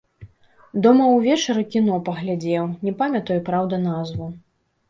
Дома ўвечары кіно паглядзеў, не памятаю, праўда, назву.